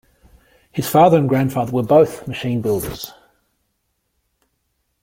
His father and grandfather were both machine builders.